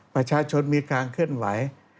ประชาชนมีการเคลื่อนไหว